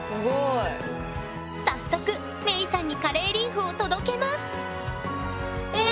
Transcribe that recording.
早速メイさんにカレーリーフを届けますえ